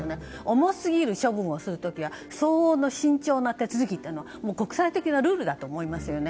重すぎる処分をする時は相応の慎重な手続きをするのが国際的なルールだと思いますよね。